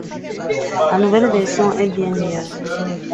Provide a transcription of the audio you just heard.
La nouvelle version est bien meilleure.